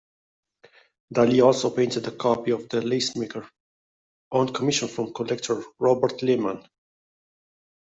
Dali also painted a copy of "The Lacemaker" on commission from collector Robert Lehman.